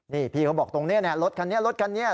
นี่พี่เขาบอกตรงนี้รถคันนี้รถคันนี้